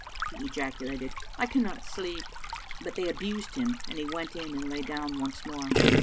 He ejaculated, "I cannot sleep;" but they abused him and he went in and lay down once more.